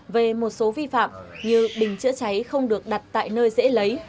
về một số vi phạm như bình chữa cháy không được đặt tại nơi dễ lấy